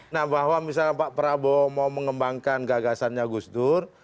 nah bahwa misalnya pak prabowo mau mengembangkan gagasannya gus dur